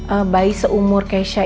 ehh bayi seumur keisha